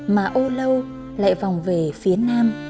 mà âu lâu lại vòng về phía nam